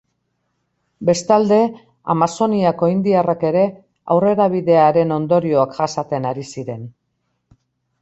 Bestalde, Amazoniako indiarrak ere aurrerabidearen ondorioak jasaten ari ziren.